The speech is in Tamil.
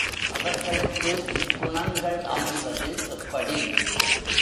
அவர்களுக்கு இக்குணங்கள் அமைவது எப்படி?